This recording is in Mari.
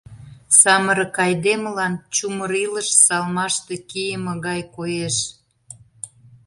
Самырык айдемылан чумыр илыш салмаште кийыме гай коеш.